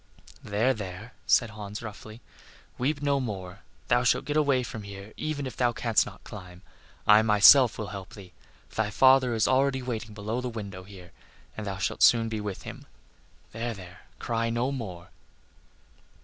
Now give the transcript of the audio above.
"There, there," said Hans, roughly, "weep no more. Thou shalt get away from here even if thou canst not climb; I myself will help thee. Thy father is already waiting below the window here, and thou shalt soon be with him. There, there, cry no more."